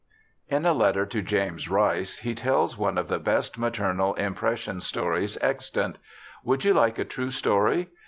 In a letter to James Rice he tells one of the best maternal impression stories extant: 'Would you like a true story?